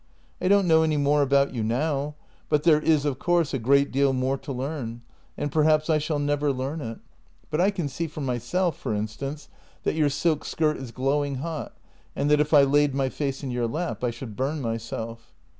I don't know any more about you now, but there is of course a great deal more to learn — and perhaps I shall never learn it. JENNY 85 But I can see for myself, for instance, that your silk skirt is glowing hot, and that if I laid my face in your lap I should burn myself."